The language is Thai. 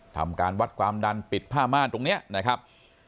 ทำการวัดความดันปิดผ้าม่านตรงนี้นะครับ